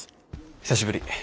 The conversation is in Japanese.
久しぶり。